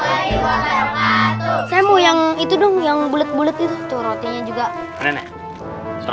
warahmatullahi wabarakatuh saya mau yang itu dong yang bulet bulet itu rotinya juga